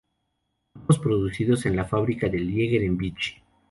Ambos producidos en la fábrica de Ligier en Vichy.